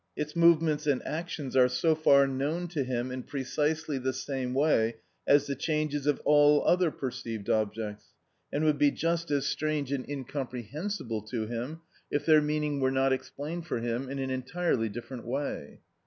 Its movements and actions are so far known to him in precisely the same way as the changes of all other perceived objects, and would be just as strange and incomprehensible to him if their meaning were not explained for him in an entirely different way.